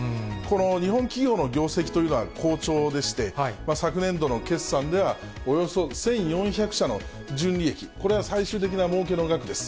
日本企業の業績というのは好調でして、昨年度の決算では、およそ１４００社の純利益、これが最終的なもうけの額です。